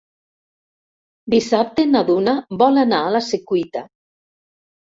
Dissabte na Duna vol anar a la Secuita.